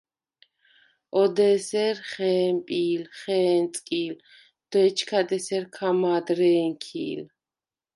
ოდ’ ე̄სერ ხე̄მპი̄ლ, ხე̄ნწკი̄ლ, დო ეჩქად ესერ ქა მა̄დ რე̄ნქი̄ლ.